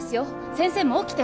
先生も起きて！